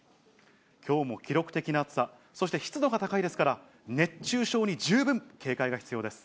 きょうも記録的な暑さ、そして湿度が高いですから、熱中症に十分警戒が必要です。